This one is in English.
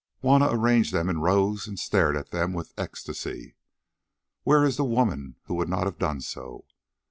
Juanna arranged them in rows and stared at them with ecstasy—where is the woman who would not have done so?